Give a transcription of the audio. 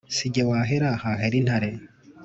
si ge wahera, hahera intare.